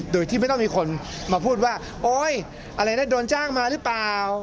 โดยที่ไม่ต้องมีคนมาพูดว่าโอ๊ยอะไรนะโดนจ้างมาหรือเปล่า